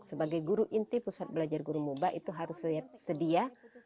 sebagai guru inti pusat belajar guru muba itu harus sedia